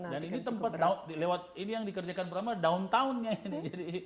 dan ini tempat ini yang dikerjakan pertama downtownnya ini